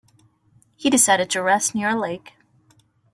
He decided to rest near a lake.